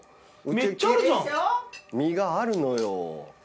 身があるのよ。